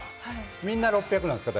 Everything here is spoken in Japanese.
みんな６００なんですか？